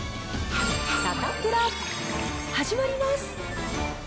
サタプラ、始まります。